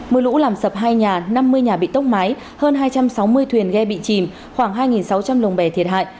mưa lũ làm sập hai nhà năm mươi nhà bị tốc mái hơn hai trăm sáu mươi thuyền ghe bị chìm khoảng hai sáu trăm linh lồng bè thiệt hại